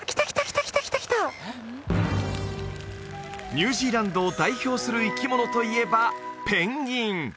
ニュージーランドを代表する生き物といえばペンギン！